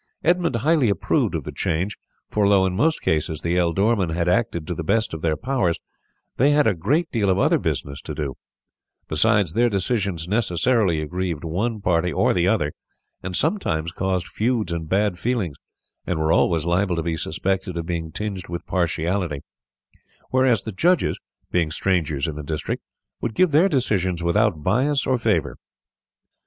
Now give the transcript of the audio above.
Edmund highly approved of the change, for although in most cases the ealdormen had acted to the best of their powers they had a great deal of other business to do; besides, their decisions necessarily aggrieved one party or the other and sometimes caused feuds and bad feelings, and were always liable to be suspected of being tinged with partiality; whereas the judges being strangers in the district would give their decisions without bias or favour.